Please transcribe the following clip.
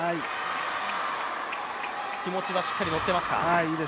気持ちはしっかり乗ってますか。